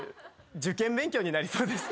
受験勉強になりそうです。